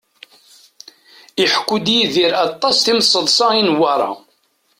Iḥekku-d Yidir aṭas timseḍṣa i Newwara.